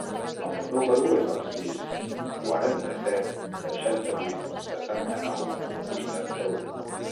El meu número es el sis, quaranta-set, seixanta-vuit, setanta-nou, vuitanta-u.